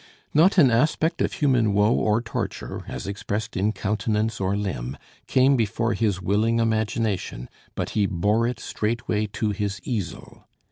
Not an aspect of human woe or torture, as expressed in countenance or limb, came before his willing imagination, but he bore it straightway to his easel.